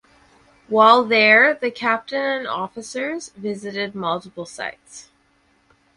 While there the captain and officers visited multiple sites.